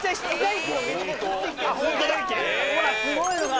ほらすごいのが。